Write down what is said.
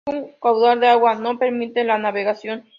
Hoy su caudal de agua no permite la navegación.